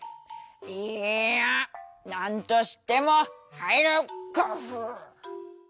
「いやなんとしてもはいる。ゴフ」。